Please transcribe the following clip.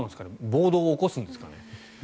暴動を起こすんですかね。